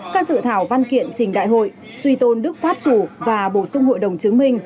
các dự thảo văn kiện trình đại hội suy tôn đức pháp chủ và bổ sung hội đồng chứng minh